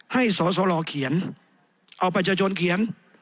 สสลเขียนเอาประชาชนเขียน